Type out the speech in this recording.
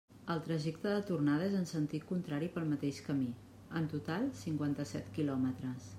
El trajecte de tornada és en sentit contrari pel mateix camí, en total cinquanta-set quilòmetres.